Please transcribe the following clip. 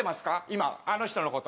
今あの人の事。